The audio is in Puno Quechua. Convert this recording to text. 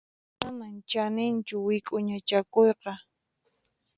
Manan chaninchu wik'uña chakuyqa.